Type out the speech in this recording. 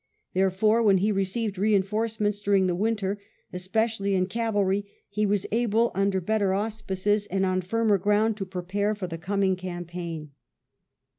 Therefore, when he received reinforcements during the winter, especially in cavalry, he was able under better auspices and on firmer ground to prepare for the coming campaign.